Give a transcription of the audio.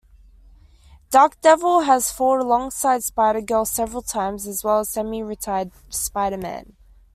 Darkdevil has fought alongside Spider-Girl several times, as well as the semi-retired Spider-Man.